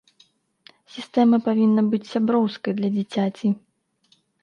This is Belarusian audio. Сістэма павінна быць сяброўскай для дзіцяці.